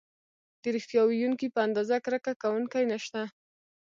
د ریښتیا ویونکي په اندازه کرکه کوونکي نشته.